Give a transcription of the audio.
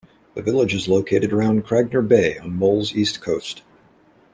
The village is located around Craignure Bay, on Mull's east coast.